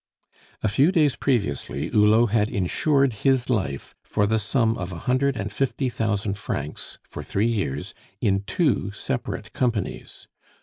A few days previously Hulot had insured his life for the sum of a hundred and fifty thousand francs, for three years, in two separate companies.